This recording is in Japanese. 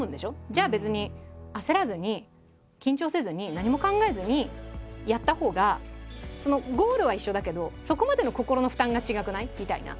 じゃあ別に焦らずに緊張せずに何も考えずにやったほうがゴールは一緒だけどそこまでの心の負担が違くない？みたいな。